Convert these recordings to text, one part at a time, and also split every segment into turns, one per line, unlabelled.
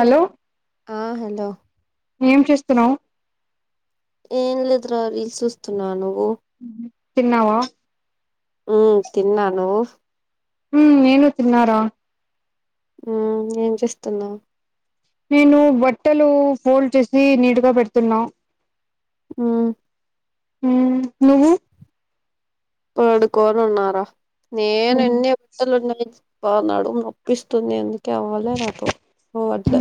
Hello
ఆ hello
ఏం చేస్తున్నావు
ఎమ్ లేదు రా రీల్స్ చూస్తున్నాను
తిన్నావా
మ్ తిన్నా నువ్వు
మ్ నేను తిన్నారా
హు ఏం చేస్తున్నావు
నేను బట్టలు ఫోల్డ్ చేసి నీటుగా పెడుతున్నా
మ్
మ్ నువ్వు
పడుకోనున్నారా నేను ఎన్ని బట్టలు ఉన్నాయి అబ్బ నడుం నొప్పిస్తుంది ఎందు [unintelligible] పోవట్లే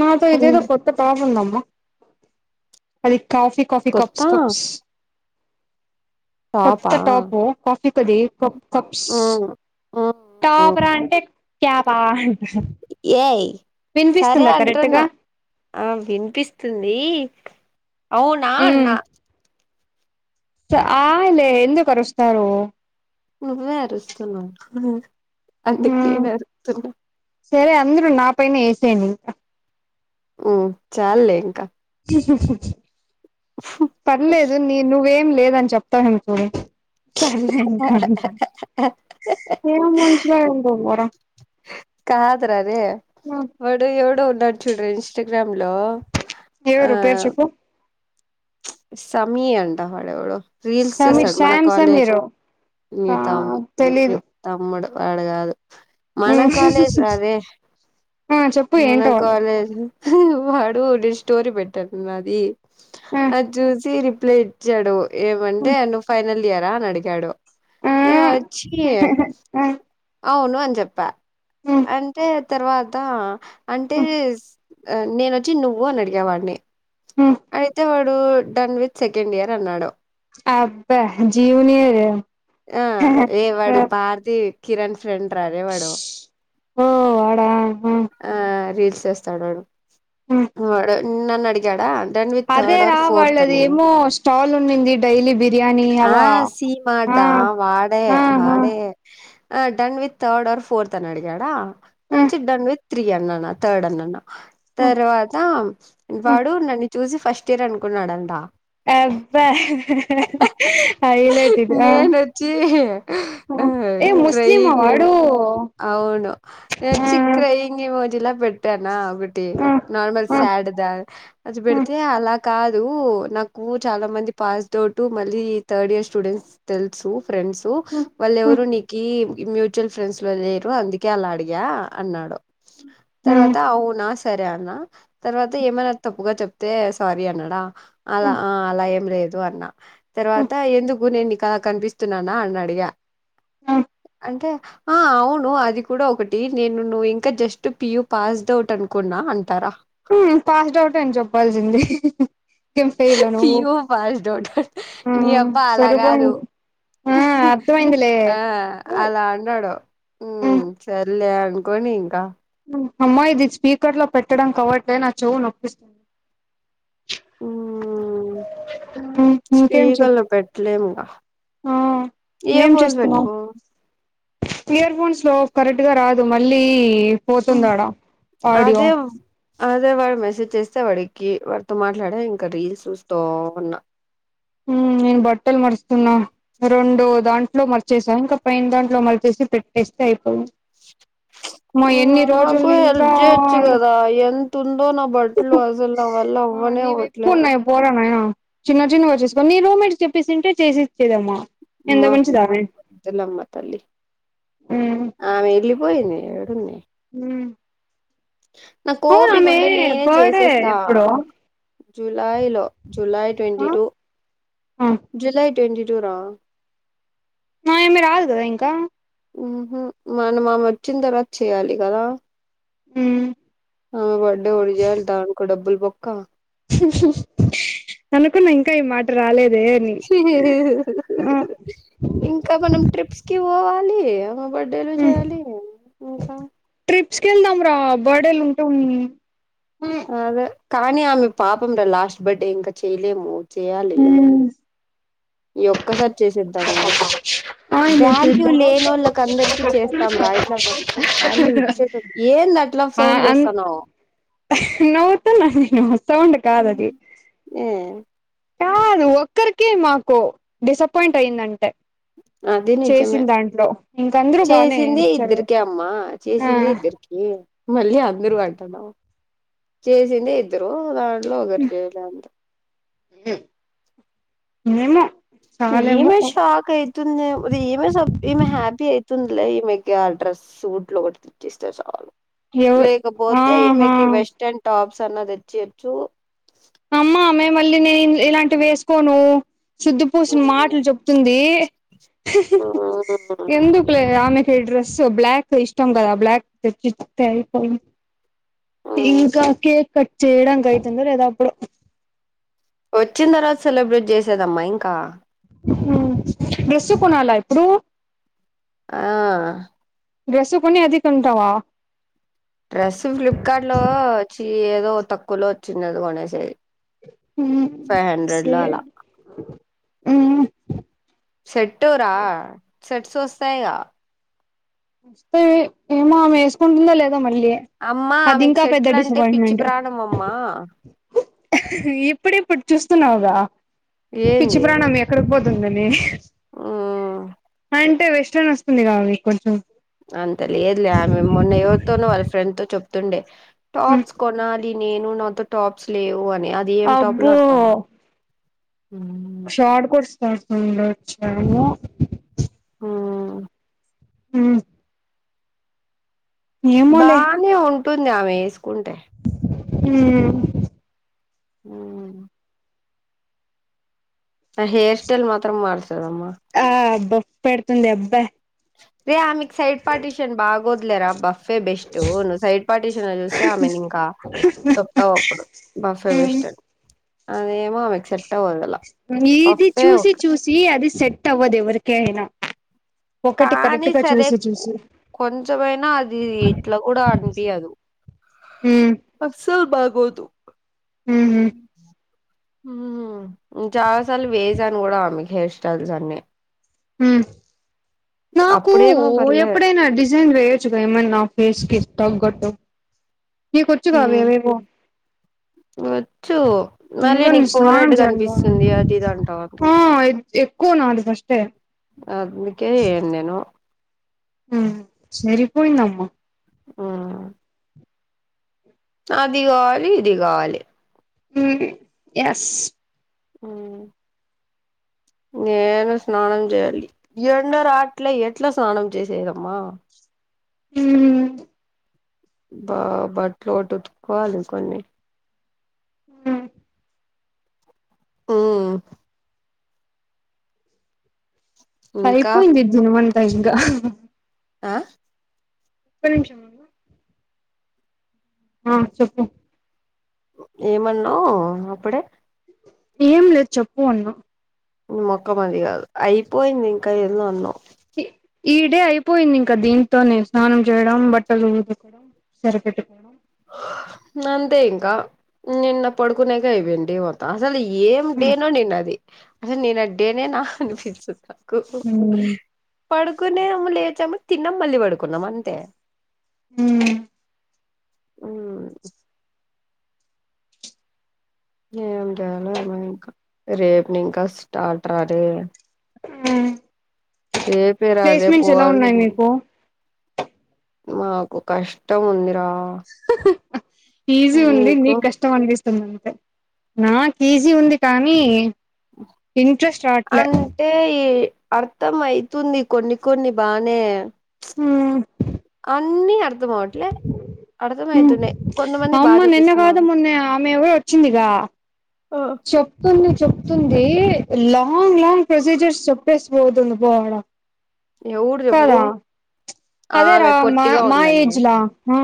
నాతో ఇదేదో కొత్త టాప్ ఉందమ్మా అది కాఫీ కాఫీ
కొత్త
కప్స్ కప్స్ కొత్త
టాపా
టాప్ కాఫీ కది
ఉమ్ ఉమ్ ఉమ్
[unintelligible]
ఏయ్ సరే
వినిపిస్తుందా కరెక్ట్
అంటున్న
గా
ఆ వినిపిస్తుంది అవునా అన్న
ఉమ్ [unintelligible] ఎందుకు అరుస్తారు
నువ్వే అరుస్తున్నావు అందుకు
ఉమ్
నేను అరుస్తున్న
సరే అందరు నా పైన వేసేయండి ఇంక
ఉ చాలే ఇంక
పర్లేదు నీ నువ్వేం లేదని చెప్త అనుకోవే చల్లే ఇంక అంట ఎం మనుషులో ఏమో పొర
కాదు రా రే వాడు ఎవడో ఉన్నాడు చూడు ఇంస్టాగ్రామ్ లో ఆ
ఎవరు పేరు చెప్పు
సమీ అంట ఎవరో రీల్స్
సమీర్
చేస్తాడు మన
శ్యామ్
కాలేజ్
సమీరు ఆ
నితమ్ ని
తెలీదు
తమ్ముడు వాడు గాదు మనకాలేజ్ రారే
ఆ చెప్పు
మన
ఏంటో వాడు.
కాలజు వాడు ఒకటి స్టోరీ పెట్టారు నాది
ఆ
అది చూసి ప్లే ఇచ్చాడు ఏమంటే నువ్వు ఫైనల్ ఇయరా అని అడిగాడు
ఆ
ఏ ఒచ్చి
ఆ
అవును అని చెప్ప అంటే తర్వాత అంటే నేను ఒచ్చి నువ్వు అని అడిగ వాడిని అయితే వాడు డన్ వి సెకండ్ ఇయర్ అన్నాడు
అబ్బా జూనియర్
ఆ ఏ వాడు భార్తి కిరణ్ ఫ్రెండ్ రారే వాడు
ఓ వడా
ఆ రీల్స్ చేస్తాడు
ఆ
వాడు నన్ను అడిగాడ డన్ విత్ థర్డ్
అదేరా
ఆర్ ఫోర్త్
వాళ్ళది
అని
ఏమో స్టాల్ ఉన్నింది డైలీ బిర్యానీ
ఆ
అవా
సిమ
ఆ
వాడ
ఆహా
వాడే ఆ done with third or fourth అని అడిగాడ
ఆ
డన్ విత్ త్రీ అన్నా థర్డ్ అన్నాన్న తర్వాత వాడు నన్ను చూసి ఫస్ట్ ఇయర్ అనుకున్నాడంట
అబ్బా హైలేట్ అది
నేనొచ్చి ఆ
ఆ
[unintelligible] మజలా పెట్టానా ఒకటి
ఆ
నార్మల్
ఆ
శాడ్ దా అది
ఆ
పెడితే అలా కాదు నాకు చాల మంది పాస్డ్ అౌట్ మళ్ళీ థర్డ్ ఇయర్ స్టూడెంట్స్ తెలుసు ఫ్రెండ్స్ వాల్లు
ఆ
ఎవరు నీకి ఈ మ్యూచువల్ ఫ్రెండ్స్ లో లేరు అందుకే అలా అడిగా అన్నాడు తర్వాత అవు నా సరే అన్న తర్వాత ఏమైనా తప్పుగా చెప్తే సారీ అన్నాడ అల ఆ అలా ఏం లేదు అన్న తర్వాత ఎందుకు కద కనిపిస్తున్నాన అని అడిగ
అ
అంటే ఆ అవును అది కూడ ఒకటి నేను నువ్వు ఇం ఇంకా జస్ట్ పియూ పాస్డ్ అవుట్ అనుకున్నా అంటారా
ఉమ్మ్ పాస్డ్ అవుట్ అని చెప్పాల్సింది ఎం ఫెయిలా నువ్వు
పియూ పాస్డ్ అవుట్ నీ
ఉమ్మ్
అబ్బా అలా కాదు
సరిపోయింది ఆ అర్థమైందిలే
ఆ అలా అన్నాడు
హ్మ్
ఉమ్మ్ సర్లే అనుకోని ఇంకా
అమ్మా ఇది స్పీకర్లో పెట్టడంకి అవ్వట్లే నా చెవు నొప్పిస్తు
ఉమ్మ్
ఇంకేం చెప్
స్పీకర్లో పెట్ట్లేము ఇంగ
ఆ
ఇయర్
ఏం
ఫోన్స్
చేస్తున్నావ్
పెట్టుకో
ఇయర్ ఫోన్స్‌లో కరెక్ట్గా రాదు మళ్ళీ
ఉమ్మ్
పోతుందాడా ఆడియో
అదే అదే వాడు మెసేజ్ చే స్తే వాడికి వాడితో మాట్లాడి ఇంకా రీల్స్ చూస్తూ ఉన్నా
ఉమ్మ్ నేను బట్టలు మడుస్తున్నా రెండు దాంట్లో మడిచేశా ఇంకా పైన దాంట్లో మడిచేసి పెట్టేస్తే అయిపోయింది అమ్మా ఎన్ని రోజులు
నాకు
ఇంకా
హెల్ప్ చేయొచ్చు కదా ఎంతుందో నా బట్టలు అసలు నావల్ల
ఆ నీవి ఎక్కువుతున్నాయి పోరా నాయనా చిన్న చిన్నగా వచ్చేసుకోని మీ రూమెంట్కి చెప్పేసింటే చేసిచ్చేదమ్మా
మా వద్దులేమ్మ తల్లి
ఉమ్
ఆమె ఏల్లి పోయింది ఎడుంది
ఉమ్మ్
నాకు ఓపిక ఉంటే నేనే
బర్డే
చేసేస్తా
ఎప్పుడో
జూలైలో జులై
ఆ
ట్వంటీ టు
ఆ
జూలై ట్వంటీ టూ రా
ఆయమ్మి రాదు కదా ఇంకా
మ్మ్ఉహ్మ్ మనం ఆమె వచ్చిన తర్వాత చేయ్యాలి కదా
ఉమ్మ్
ఆమె బర్త్డే ఒకటి చెయ్యాలి దానికో డబ్బులు బొక్క
అనుకున్న ఇంకా ఈ మాట రాలే
ఇంకా మనం ట్రిప్స్కి పోవాలి బర్డేలు చేయాలి ఇంకా
సుకెళ్దాంరా బర్డేలు ఉంటే ఉన్ని
అదే కానీ ఆమె పాపం రా లాస్ట్ బర్డే ఇంకా చేయలేము చేయాలి ఈ ఒక్కసారి చేసేద్దాము
ఆయిల్
వాల్యూ
అయిపోయిందా
లేనోళ్ళకి అందరికి చేస్తాంరా ఇట్లా వాల్యూ ఇచ్చేటో ఏం అట్లా సౌండ్ చేస్తాన్నవ్
నవ్వుతున్న నేను సౌండ్ కాదు అది
ఏ
కాదు ఒక్కరికే మాకు డిసప్పాయింట్ అయిందంటే చేసినదాంట్లో ఇంక అందరు
చేసిందే ఇద్దరికే అమ్మా
ఆ
చేసిందే ఇద్దరికి మళ్ళీ అందరూ అంటున్నావ్ చేసిందే ఇద్దరు దాంట్లో ఒకరు చేయలే అంతే
మ్మ్ ఏమో చాలేమో
ఈమె షాక్ ఆయితుంది ఈమె ఈమె హ్యాపి ఆయి తుందిలే ఈమెకి ఆ డ్రెస్ సూట్లు ఒకటి తెచ్చిస్తే చాలు
ఎవ
లేకపోతే
ఆహా
ఈమెకి వెస్ట్రన్ టాప్స్ అన్న తెచ్చియొచ్చు
అమ్మా మే మళ్ళీ నేను ఇలాంటివేసుకోను సుద్ద పూస మాటలు చెప్తుంది ఎందుకు లే ఆమె తె డ్రెస్సు బ్లాక్ ఇష్టం గదా బ్లాక్ తెప్పిత్తె అయిపోయిన్ ఇంకా కేక్ కట్ చేయడానికి అఎంతుందో లేదొ అప్పుడు
వచ్చిన్తర్వాత సెలబ్రేట్ చేసేదమ్మా ఇంకా
హ్మ్ డ్రెస్ కొనాలా ఇప్పుడు
ఆ
డ్రెస్సు కొని అది కొంటావా
డ్రెస్సు ఫ్లిప్కార్ట్ లో చ్చి ఏదో తక్కువలో వచ్చిందది కొనేసేది ఫైవ్ హండ్రెడ్ లో
సరే
అలా సెట్టు రా సెట్స్ వస్తాయిగా
వస్తవి ఏమో ఆమె ఏసుకుంటుమ్దో లేదో దో మళ్ళీ
అమ్మా
అది
ఆమెకు
ఇంకా పెద్ద
సెట్లు అంటే పిచ్చి
డిసప్పయింట్మెంట్
ప్రాణం అమ్మా
ఇప్ ప్పుడిప్పుడు చూస్తున్నావుగా పిచ్చి ప్రాణం ఎక్కడికి పోతుందని
ఉమ్
అంటే వెస్ట్రన్ వస్తుంది గా అవి కొంచెం
అంత లేదులే ఆమె మొన్న ఎవరితోనో వాళ్ళ ఫ్రెండ్ తో చెప్తుండే టాప్స్ కొనాలి నేను నాతో టాప్స్ లేవు అన్ అది ఏం టాప్ లో
అబ్బో
అర్ధం గావు
తడ్స్కుంట వచ్చాము
ఉమ్
ఉమ్
బానే ఉంటుందామెస్
ఉమ్
ఉమ్ ఆ హేర్ స్టైల్ మాత్రం మార్చ్
ఆబ్బా పెడుతుంది ఎబ్బా
రే ఆమెక్ సైడ్ పార్టిటీషన్ బాగోద్లేరాబ్బా సే బెస్టూ నువ్వు సైడ్ పార్టిషన్ ల జూస్తే ఆమెనింకా చెప్తావప్పుడు బఫ్ఫె బెస్ట్ అని ఆమేమో అమెకు సెట్ట్ అవ్వదలా
నీది చూసి చూసి అది సెట్ అవ్వదు ఎవరికి అయినా ఒకటి
కాని
కరెక్ట్ గా
సరే
చూసి
క్
చూసి
కొంచమైనా అదీ ఇట్లా గూడ అనిపియ్యదు
ఉమ్
అస్సల్ బాగోదు
ఉహు
ఉమ్ చాలా సార్లు వేసాను గూడ ఆమెకు హెయిర్ స్టైల్స్ అన్ని
ఉమ్
అప్
ఓ ఎప్పుడైనా డిజైన్ వేయొచ్చుగ ఏమన్న నా ఫేస్ కి తగ్గట్టు నేకొచ్చుగా
మ్
అవేవేవో
వచ్చు మళ్ళీ
ఇంకా
నీకు
నేను
ఫోర్
స్నానం
హెడ్
చేయాలిగా
గనిపిస్తుంది అది ఇది అంటావు
ఆ
అందుకే
ఎక్కువ నాది ఫస్టే
అందుకే ఎయ్యను నేను
ఉమ్ సరిపోయిందమ్మ
ఆ అది గావాలి ఇది గావాలి
ఉ ఎస్
అ నేను స్నానం చేయాలి ఎండ రాట్ల ఎట్లా స్నానం చేసేదమ్మా
హ
బా బట్బట్లు ఉతుకోవాలి కొన్ని
హ
ఆ ఇంకా
టైపోయింది జనమంతా ఇకా
ఆ
ఒక నిమిషం ఉండు ఆ చెప్పు
ఏమన్నావు అప్పుడే
ఏం లేదు చెప్పు అన్నా
మొకం అది కాదు అయిపోయింది ఇంకా ఏన్నో అన్నావు
ఈ డే అయిపోయింది ఇంకా దీంతోనే స్నానం చేయడం బట్టలు ఉదుకడం సరిపెట్టుకోడం
అంతే ఇంకా నిన్న పడుకునేక అయిపోయి ఇవంమత్త అసలు ఏం
హ్మ్
డేనో నేను అది అసలు నేను ఆ డేనే నా అనిపిస్తు
హ్మ్
పడుకునే లేచాము తిన్నాం మళ్ళీ పడుకున్నాం అంతే
హ
ఉ ఏం చేాల ఇంకా రేపుని ఇంకా స్టార్ట రాల
ఉ
రా రేపు
ప్లేస్మెంట్స్ ఎలా ఉన్నాయి
పోవాల్సింది
మీకు
మాకు కష్టం ఉందిరా
ఈజీ ఉంది
మీకు
నిక్ కష్టంమనిపి ందంతే నాకు ఈజీ ఉంది కానీ ఇంట్రెస్ట్ రావట్లే
అంటే ఈ అర్థం అయితుంది కొన్ని కొన్ని బానే
ఆ
అన్నీ అర్ధం అవటిలే
అమ్మ నిన్న కాదు
చూపిస్తున్నారు
మొన్న ఆమె ఎవరు వచ్చిందిగా చెప్తుంది చెప్తుంది లాంగ్ లాంగ్ ప్రొసీజర్స్ చెప్పేస్త పోతుంది పో ఆవిడ
ఎవ్వరూ చెప్పు ఆమె
అదేరా మా
పొట్టిగా
మా
ఉందని
ఏజ్లా ఆ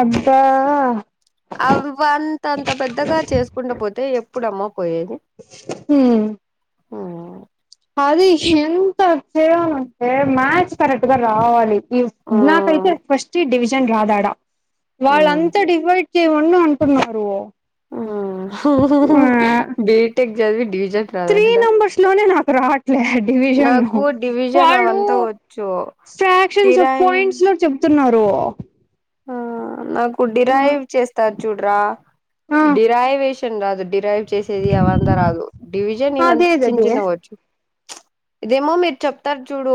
అబ్బా
అవ అంత అంత పెద్దగా చేసుకుంట పోతే ఎప్పుడు అమ్మపోయేది
హ
ఓ
అది ఎంత చేవ అంటే మ్యాస్ కరెక్ట్ గా రావాలి ఈ నాకైతే
ఉమ్
ఫస్ట్ డివిజన్ రాదాడా వాళ్ళంతా డివైడ్ చెవిని అంటున్నారు ఆ
బీటెక్ జదివి డివిజన్ రాదాంట
ఇల డివిజన్
డివిజన్
వాళ్ళు
అవంతా వచ్చు
ఫ్రాక్షన్స్
డిరైవ్
పాయింట్స్ లో చెప్తున్నారు
ఆ నాకు డిరైవ్ చేస్తార్ చూడ్రా
ఆ
డిరైవేష్ శాన్ రాదు డిరైవ్ చేసేది అవంతా రాదు డివిజన్ ఇవంత చిన్న
అదేదదే
చిన్నవచ్చు ఇదేమో మీర్ చెప్తారు చూడు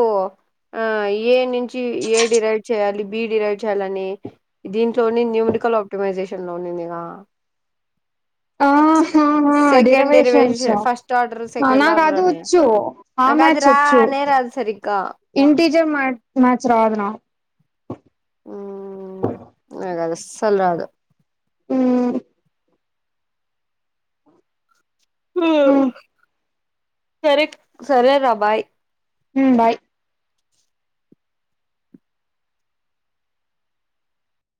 ఆ యే నించి యే డిరైవ్ చేయాలి బి డిరైవ్ చేయాలని దీంట్లోని న్యూమరికల్ ఆప్టిమైజేషన్ లోనిందిగా
అ ఆహా ఆ డిరవేషన్స
డెరివేషన్ ఫస్ట్ ఆర్డర్
నాకు అదోచ్చు ఆ మ్యాచ్
ఆ నేరాద్సరిగ్గ
ఇన్టిజమ్ మ్యాట్ మ్యాచ్ రాదునాక్
సల్రాదు
ఉమ్ఉ
సరేక్ సరే రా బాయ్
మ్ బాయ్